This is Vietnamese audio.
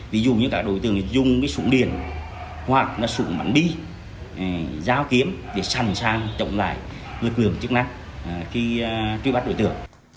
ví dụ như các đối tượng dùng sủng điện hoặc sủng bắn đi dao kiếm để sẵn sàng chống lại lực lượng chức năng khi truy bắt đối tượng